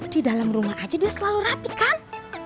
di dalam rumah aja dia selalu rapi kan